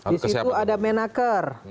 di situ ada menaker